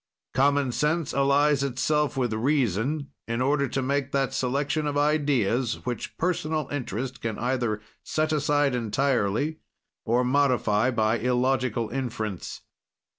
"Common sense allies itself with reason, in order to make that selection of ideas which personal interest can either set aside entirely or modify by illogical inference.